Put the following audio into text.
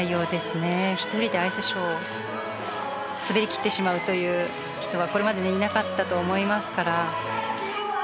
１人でアイスショーを滑りきってしまうという人はこれまでにいなかったと思いますから。